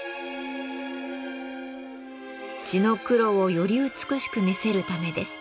地の黒をより美しく見せるためです。